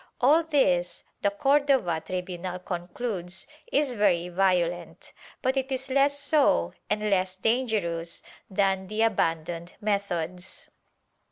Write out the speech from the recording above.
All this, the Cordova tribunal concludes, is very violent, but it is less so and less dangerous than the abandoned methods.